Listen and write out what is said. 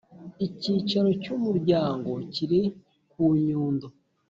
Icyicaro cy ‘Umuryango kiri ku Nyundo.